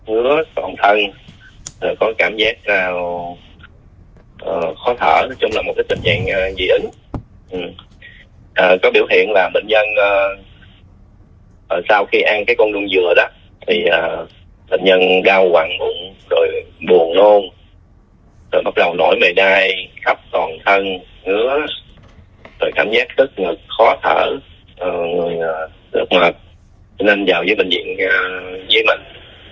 rồi buồn nôn rồi bắt đầu nổi mê đai khắp toàn thân ngứa rồi cảm giác tức ngực khó thở đợt mệt nên vào với bệnh viện với mình